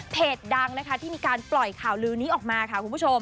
เพจดังนะคะที่มีการปล่อยข่าวลืนนี้ออกมาค่ะ